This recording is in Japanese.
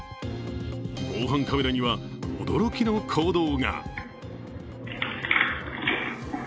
防犯カメラには驚きの行動が。